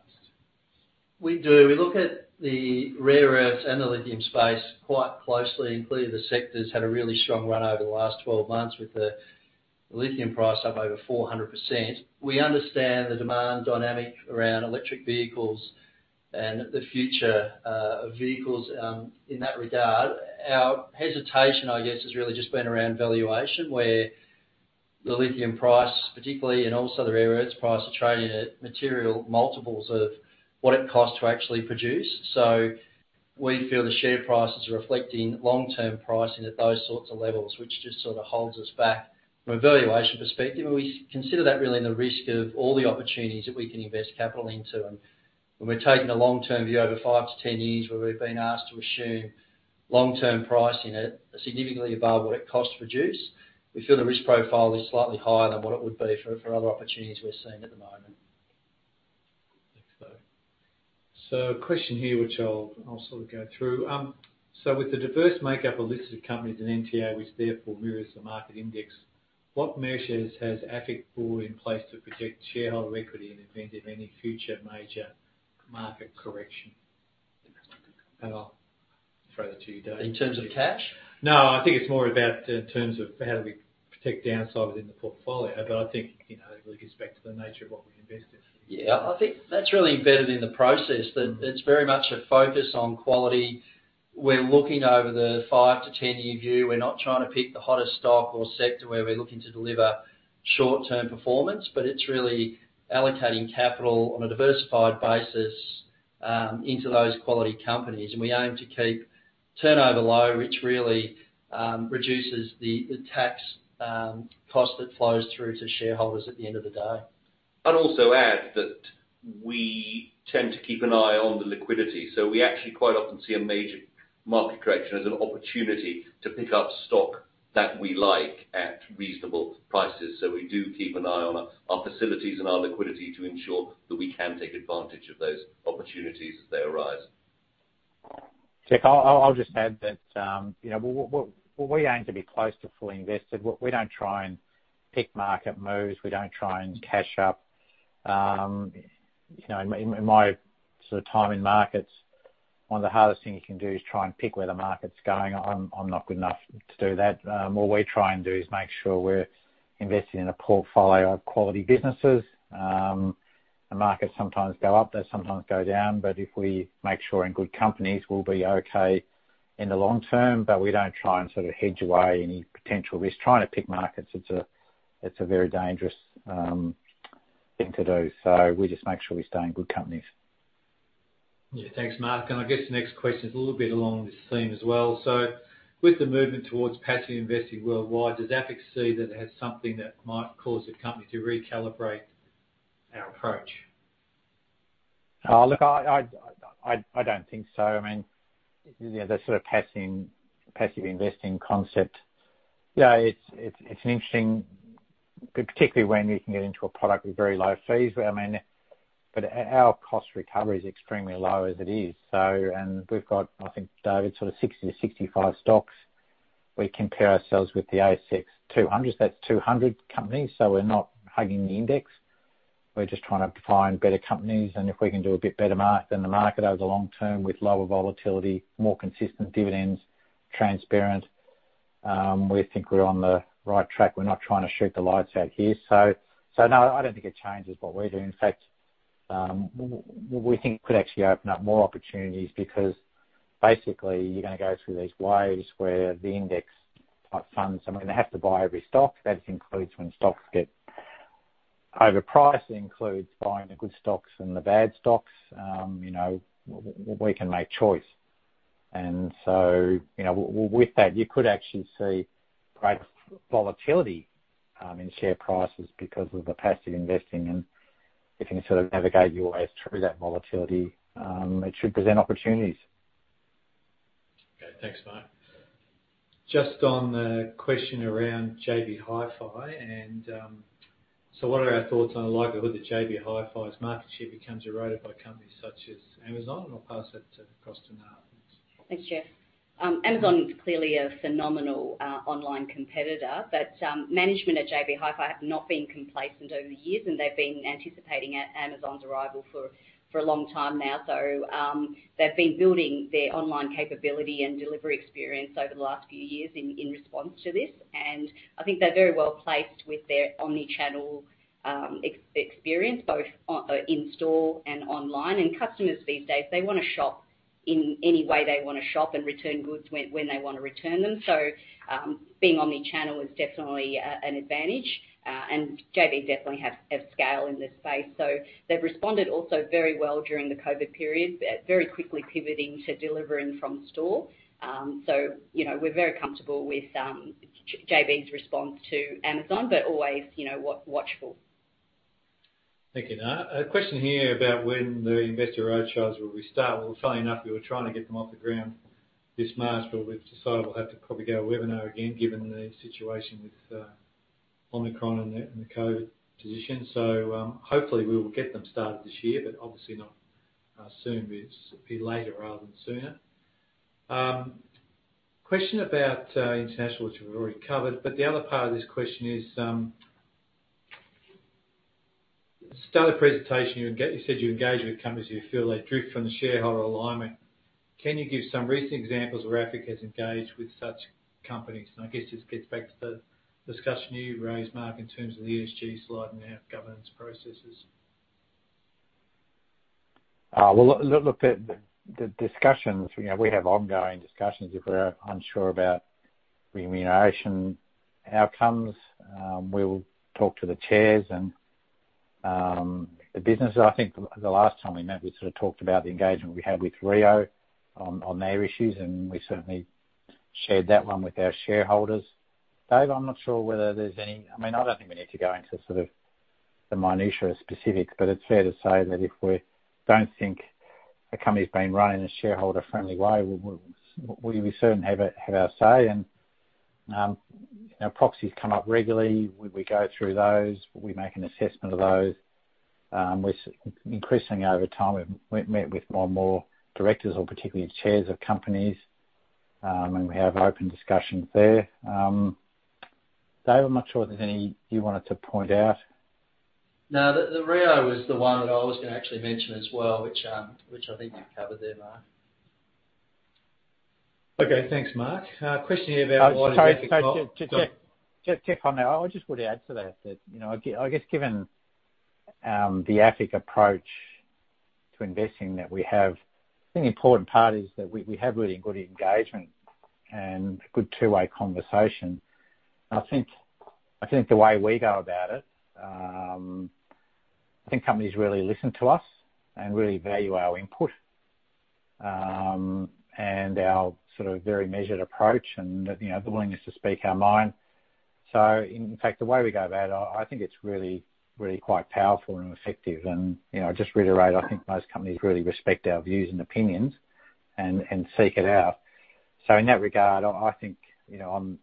We do. We look at the rare earths and the lithium space quite closely. Clearly, the sector's had a really strong run over the last 12 months with the lithium price up over 400%. We understand the demand dynamic around electric vehicles and the future of vehicles in that regard. Our hesitation, I guess, has really just been around valuation, where the lithium price, particularly, and also the rare earth price, are trading at material multiples of what it costs to actually produce. We feel the share prices are reflecting long-term pricing at those sorts of levels, which just sort of holds us back from a valuation perspective. We consider that really in the mix of all the opportunities that we can invest capital into. When we're taking a long-term view over 5-10 years, where we've been asked to assume long-term pricing at significantly above what it costs to produce, we feel the risk profile is slightly higher than what it would be for other opportunities we're seeing at the moment. Thanks, Dave. A question here, which I'll sort of go through. With the diverse makeup of listed companies in NTA, which therefore mirrors the market index, what measures has AFIC put in place to protect shareholder equity in event of any future major market correction? I'll throw that to you, Dave. In terms of cash? No, I think it's more about in terms of how do we protect downside within the portfolio, but I think, you know, it really gets back to the nature of what we invest in. Yeah, I think that's really embedded in the process, that it's very much a focus on quality. We're looking over the 5- to 10-year view. We're not trying to pick the hottest stock or sector where we're looking to deliver short-term performance, but it's really allocating capital on a diversified basis into those quality companies. We aim to keep turnover low, which really reduces the tax cost that flows through to shareholders at the end of the day. I'd also add that we tend to keep an eye on the liquidity. We actually quite often see a major market correction as an opportunity to pick up stock that we like at reasonable prices. We do keep an eye on our facilities and our liquidity to ensure that we can take advantage of those opportunities as they arise. Geoff, I'll just add that, you know, what we aim to be close to fully invested. We don't try and pick market moves. We don't try and catch up. You know, in my sort of time in markets, one of the hardest things you can do is try and pick where the market's going. I'm not good enough to do that. What we try and do is make sure we're investing in a portfolio of quality businesses. The markets sometimes go up, they sometimes go down, but if we make sure in good companies, we'll be okay in the long term. We don't try and sort of hedge away any potential risk. Trying to pick markets, it's a very dangerous thing to do, so we just make sure we stay in good companies. Yeah. Thanks, Mark. I guess the next question is a little bit along this theme as well. With the movement towards passive investing worldwide, does AFIC see that it has something that might cause the company to recalibrate our approach? Oh, look, I don't think so. I mean, you know, that sort of passive investing concept, you know, it's an interesting. Particularly when you can get into a product with very low fees. I mean, our cost recovery is extremely low as it is. We've got, I think, Dave, it's sort of 60-65 stocks. We compare ourselves with the ASX 200, that's 200 companies, so we're not hugging the index. We're just trying to find better companies, and if we can do a bit better than the market over the long term with lower volatility, more consistent dividends, transparent, we think we're on the right track. We're not trying to shoot the lights out here. No, I don't think it changes what we're doing. In fact, we think it could actually open up more opportunities because basically you're gonna go through these waves where the index type funds, I mean, they have to buy every stock. That includes when stocks get overpriced, it includes buying the good stocks and the bad stocks. You know, we can make a choice. With that, you could actually see great volatility in share prices because of the passive investing, and if you can sort of navigate your way through that volatility, it should present opportunities. Okay. Thanks, Mark. Just on the question around JB Hi-Fi and what are our thoughts on the likelihood that JB Hi-Fi's market share becomes eroded by companies such as Amazon? I'll pass that across to Nga Lucas. Thanks, Geoff. Amazon is clearly a phenomenal online competitor, but management at JB Hi-Fi have not been complacent over the years, and they've been anticipating Amazon's arrival for a long time now. They've been building their online capability and delivery experience over the last few years in response to this. I think they're very well-placed with their omni-channel experience, both in store and online. Customers these days, they wanna shop in any way they wanna shop and return goods when they wanna return them. Being omni-channel is definitely an advantage. JB definitely have scale in this space. They've responded also very well during the COVID period, very quickly pivoting to delivering from store. You know, we're very comfortable with JB's response to Amazon, but always, you know, watchful. Thank you, Nga. A question here about when the investor roadshows will restart. Well, funnily enough, we were trying to get them off the ground this March, but we've decided we'll have to probably go webinar again, given the situation with Omicron and the COVID position. Hopefully, we will get them started this year, but obviously not soon. It'll be later rather than sooner. Question about international, which we've already covered, but the other part of this question is at the start of the presentation, you said you engage with companies you feel they drift from the shareholder alignment. Can you give some recent examples where AFIC has engaged with such companies? I guess this gets back to the discussion you raised, Mark, in terms of the ESG slide and our governance processes. Well, look, the discussions, you know, we have ongoing discussions if we're unsure about remuneration outcomes. We will talk to the chairs and the businesses. I think the last time we met, we sort of talked about the engagement we had with Rio on their issues, and we certainly shared that one with our shareholders. Dave, I'm not sure whether there's any. I mean, I don't think we need to go into sort of the minutiae specifics, but it's fair to say that if we don't think a company's been run in a shareholder-friendly way, we certainly have our say. You know, proxies come up regularly. We go through those. We make an assessment of those. We're seeing increasing over time. We've met with more and more directors or particularly chairs of companies, and we have open discussions there. David, I'm not sure if there's anything you wanted to point out. No, the Rio was the one that I was gonna actually mention as well, which I think you covered there, Mark. Okay, thanks, Mark. A question here about- [AUDIO DISTORTION] [AUDIO DISTORTION] To comment. I just would add to that, you know, I guess, given the AFIC approach to investing that we have, I think the important part is that we have really good engagement and a good two-way conversation. I think the way we go about it, I think companies really listen to us and really value our input, and our sort of very measured approach and, you know, the willingness to speak our mind. In fact, the way we go about it, I think it's really quite powerful and effective and, you know, just reiterate, I think most companies really respect our views and opinions and seek it out. In that regard, I think, you know, on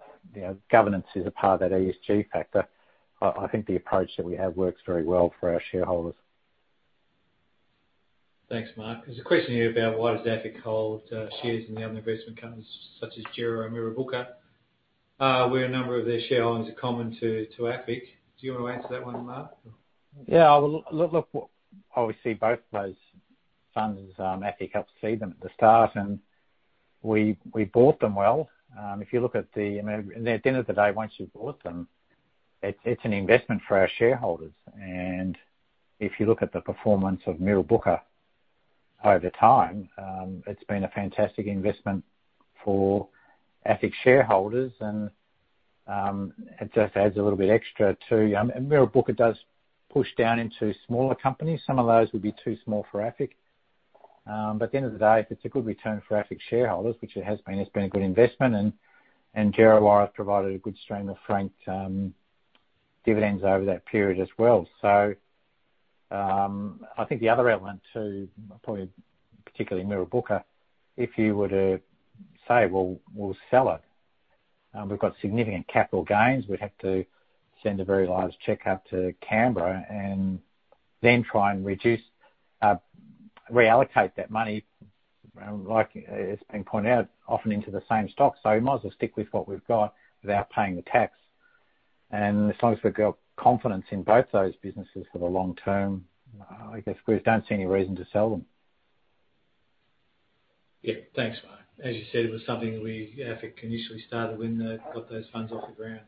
governance is a part of that ESG factor. I think the approach that we have works very well for our shareholders. Thanks, Mark. There's a question here about why does AFIC hold shares in the other investment companies such as Djerriwarrh and Mirrabooka, where a number of their shareholdings are common to AFIC. Do you wanna answer that one, Mark? Yeah. Well, look, obviously, both of those funds, AFIC helped seed them at the start, and we bought them well. If you look at the, you know, at the end of the day, once you've bought them, it's an investment for our shareholders. If you look at the performance of Mirrabooka over time, it's been a fantastic investment for AFIC shareholders, and it just adds a little bit extra to Mirrabooka does push down into smaller companies. Some of those would be too small for AFIC. At the end of the day, if it's a good return for AFIC shareholders, which it has been, it's been a good investment and Djerriwarrh has provided a good stream of franked dividends over that period as well. I think the other element to probably particularly Mirrabooka, if you were to say, "Well, we'll sell it," we've got significant capital gains. We'd have to send a very large check out to Canberra and then try and reallocate that money, like, it's been pointed out, often into the same stock. We might as well stick with what we've got without paying the tax. As long as we've got confidence in both those businesses for the long term, I guess we don't see any reason to sell them. Yeah. Thanks, Mark. As you said, it was something we AFIC initially started when they got those funds off the ground.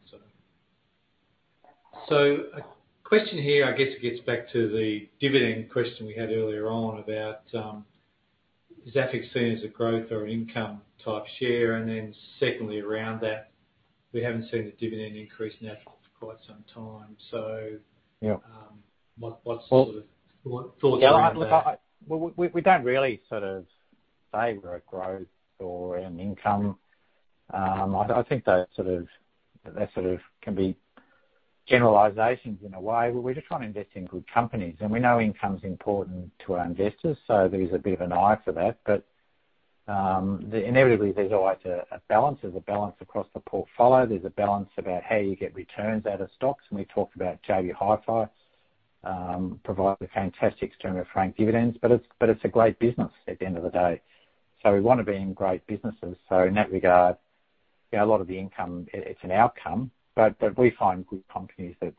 A question here, I guess it gets back to the dividend question we had earlier on about is AFIC seen as a growth or income type share? Then secondly, around that, we haven't seen a dividend increase now for quite some time. Yeah. Um, what's- Well- Sort of what thoughts are on that? Yeah, look, we don't really sort of favor a growth or an income. I think they sort of can be generalizations in a way, but we're just trying to invest in good companies. We know income's important to our investors, so there is a bit of an eye for that. Inevitably, there's always a balance. There's a balance across the portfolio. There's a balance about how you get returns out of stocks. We talked about JB Hi-Fi provide the fantastic stream of franked dividends, but it's a great business at the end of the day. We wanna be in great businesses. In that regard, yeah, a lot of the income it's an outcome, but we find good companies that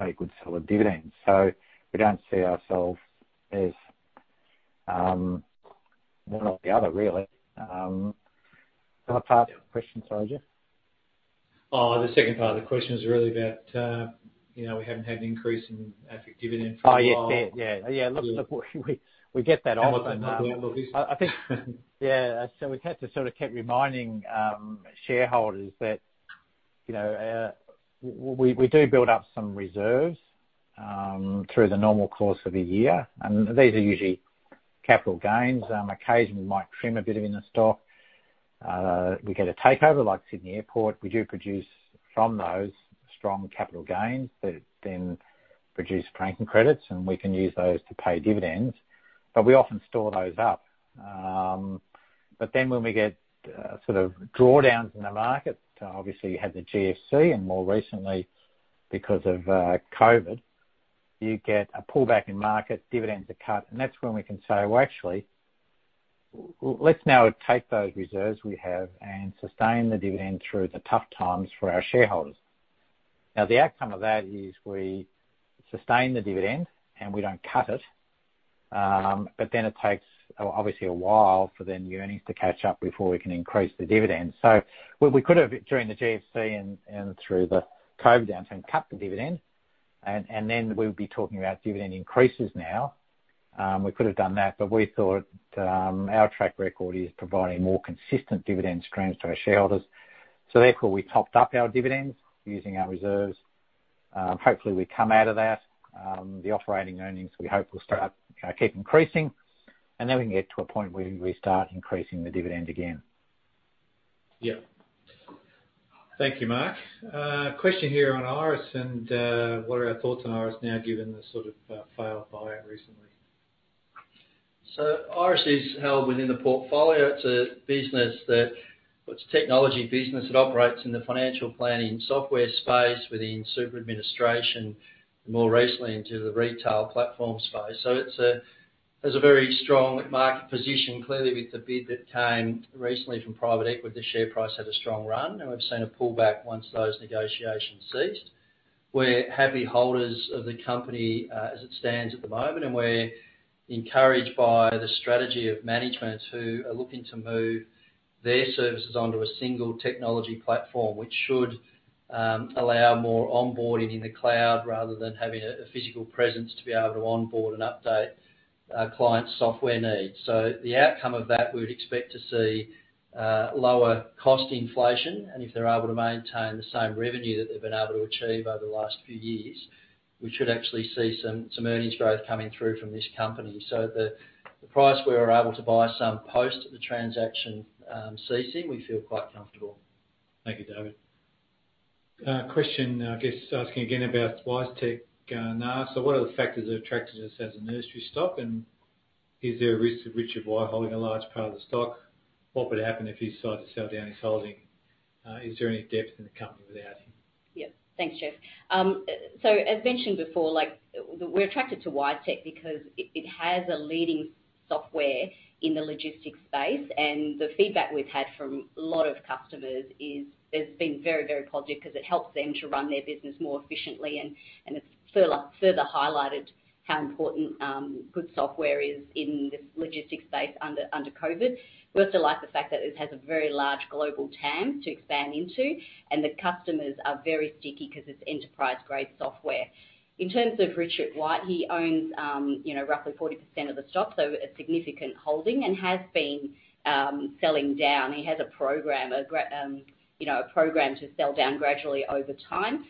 pay good solid dividends. We don't see ourselves as one or the other, really. The other part of the question, sorry, Geoff? Oh, the second part of the question is really about, you know, we haven't had an increase in AFIC dividend for a while. Oh, yes. Yeah. Look, we get that often. What the outlook is. I think. We've had to sort of keep reminding shareholders that, you know, we do build up some reserves through the normal course of the year, and these are usually capital gains. Occasionally we might trim a bit in the stock. We get a takeover like Sydney Airport. We get proceeds from those strong capital gains that then produce franking credits, and we can use those to pay dividends, but we often store those up. When we get sort of drawdowns in the market, obviously you had the GFC and more recently because of COVID, you get a pullback in market, dividends are cut, and that's when we can say, "Well, actually, let's now take those reserves we have and sustain the dividend through the tough times for our shareholders." The outcome of that is we sustain the dividend and we don't cut it, but then it takes obviously a while for the earnings to catch up before we can increase the dividend. What we could have during the GFC and through the COVID downturn, cut the dividend, and then we would be talking about dividend increases now. We could have done that, but we thought our track record is providing more consistent dividend streams to our shareholders. Therefore, we topped up our dividends using our reserves. Hopefully we come out of that. The operating earnings, we hope, will start to keep increasing, and then we can get to a point where we start increasing the dividend again. Yeah. Thank you, Mark. Question here on Iress and what are our thoughts on Iress now, given the sort of failed buyout recently? Iress is held within the portfolio. It's a technology business that operates in the financial planning software space within super administration, and more recently into the retail platform space. It has a very strong market position. Clearly, with the bid that came recently from private equity, share price had a strong run, and we've seen a pullback once those negotiations ceased. We're happy holders of the company, as it stands at the moment, and we're encouraged by the strategy of management, who are looking to move their services onto a single technology platform, which should allow more onboarding in the cloud rather than having a physical presence to be able to onboard and update client software needs. The outcome of that, we would expect to see lower cost inflation, and if they're able to maintain the same revenue that they've been able to achieve over the last few years, we should actually see some earnings growth coming through from this company. The price we were able to buy some post the transaction ceasing, we feel quite comfortable. Thank you, David. Question now, I guess, asking again about WiseTech and Nga. What are the factors that attracted us as a core stock, and is there a risk of Richard White holding a large part of the stock? What would happen if he decided to sell down his holding? Is there any depth in the company without him? Yeah. Thanks, Geoff. As mentioned before, like, we're attracted to WiseTech because it has a leading software in the logistics space, and the feedback we've had from a lot of customers is very, very positive because it helps them to run their business more efficiently, and it's further highlighted how important good software is in this logistics space under COVID. We also like the fact that it has a very large global TAM to expand into, and the customers are very sticky because it's enterprise-grade software. In terms of Richard White, he owns, you know, roughly 40% of the stock, so a significant holding, and has been selling down. He has a program, you know, a program to sell down gradually over time.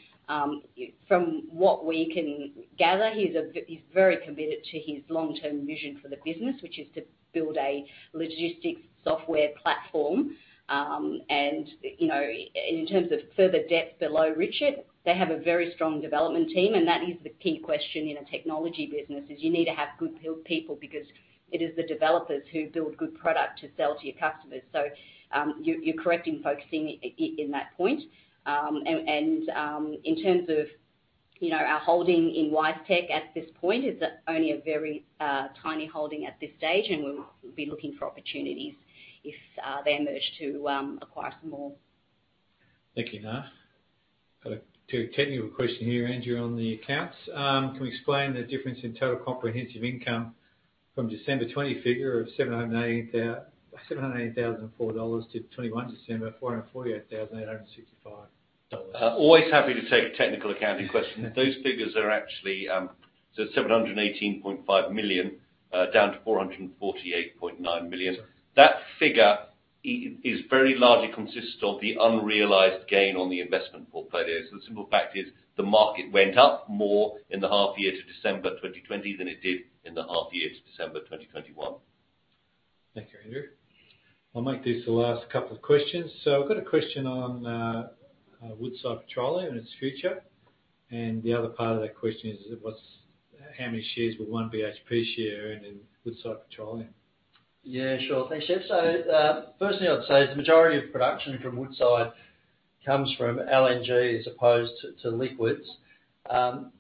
From what we can gather, he's very committed to his long-term vision for the business, which is to build a logistics software platform. You know, in terms of further depth below Richard, they have a very strong development team, and that is the key question in a technology business, is you need to have good build people because it is the developers who build good product to sell to your customers. You're correct in focusing in on that point. In terms of. You know, our holding in WiseTech at this point is only a very tiny holding at this stage, and we'll be looking for opportunities if they emerge to acquire some more. Thank you, Nga. Got a technical question here, Andrew, on the accounts. Can we explain the difference in total comprehensive income from December 2020 figure of AUD 718,004 to December 2021, AUD 448,865? Always happy to take a technical accounting question. Those figures are actually AUD 718.5 million down to AUD 448.9 million. That figure is very largely consists of the unrealized gain on the investment portfolio. The simple fact is the market went up more in the half year to December 2020 than it did in the half year to December 2021. Thank you, Andrew. I'll make this the last couple of questions. I've got a question on Woodside Petroleum and its future. The other part of that question is, how many shares will one BHP share earn in Woodside Petroleum? Yeah, sure. Thanks, Geoff. Firstly, I'd say the majority of production from Woodside comes from LNG as opposed to liquids.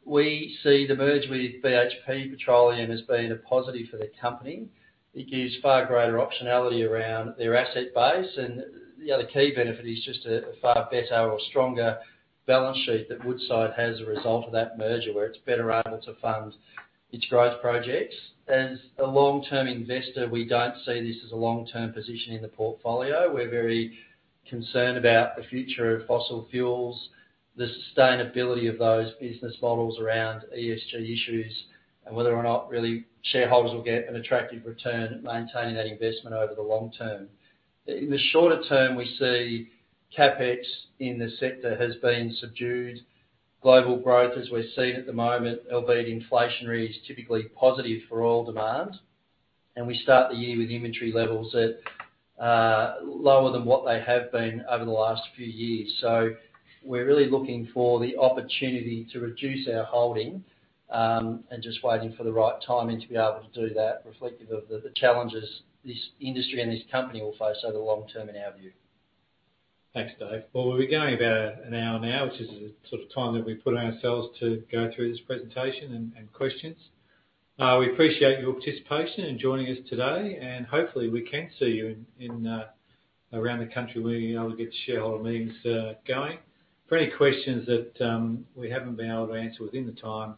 We see the merger with BHP Petroleum as being a positive for the company. It gives far greater optionality around their asset base, and the other key benefit is just a far better or stronger balance sheet that Woodside has as a result of that merger, where it's better able to fund its growth projects. As a long-term investor, we don't see this as a long-term position in the portfolio. We're very concerned about the future of fossil fuels, the sustainability of those business models around ESG issues, and whether or not really shareholders will get an attractive return maintaining that investment over the long term. In the shorter term, we see CapEx in the sector has been subdued. Global growth, as we're seeing at the moment, albeit inflationary, is typically positive for oil demand. We start the year with inventory levels at lower than what they have been over the last few years. We're really looking for the opportunity to reduce our holding and just waiting for the right timing to be able to do that, reflective of the challenges this industry and this company will face over the long term, in our view. Thanks, David. Well, we've been going about an hour now, which is the sort of time that we put on ourselves to go through this presentation and questions. We appreciate your participation in joining us today, and hopefully, we can see you around the country when you're able to get shareholder meetings going. For any questions that we haven't been able to answer within the time,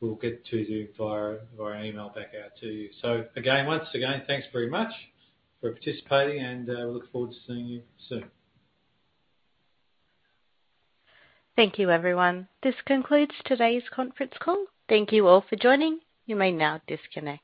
we'll get to you via email back out to you. Again, once again, thanks very much for participating and we look forward to seeing you soon. Thank you, everyone. This concludes today's conference call. Thank you all for joining. You may now disconnect.